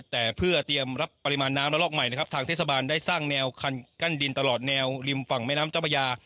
แต่เพื่อเตรียมรับปริมาณน้ำและลอกใหม่นะครับทางเทศบาลได้สร้างแนวคันกั้นดินตลอดแนวริมฝั่งแม่น้ำเจ้าพระยา